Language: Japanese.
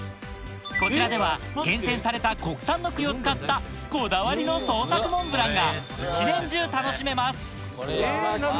こちらでは厳選された国産の栗を使ったこだわりの創作モンブランが１年中楽しめます